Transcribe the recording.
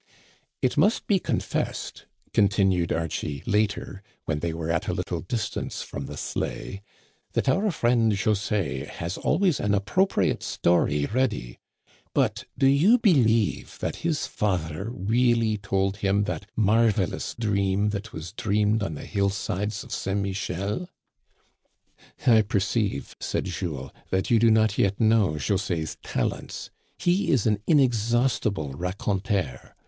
"It must be confessed," continued Archie later, when they were at a little distance from the sleigh, "that our friend José has always an appropriate story ready ; but do you believe that his father really told him that Digitized by VjOOQIC A SUPPER. 95 marvelous dream that was dreamed on the hillsides of St. Michel ?"I perceive," said Jules, " that you do not yet know Jose's talents ; he is an inexhaustible raconteur.